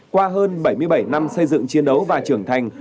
qua hơn bảy mươi bảy năm xây dựng chiến đấu và trưởng thành